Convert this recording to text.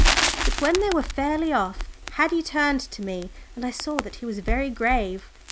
But when they were fairly off Haddie turned to me, and I saw that he was very grave.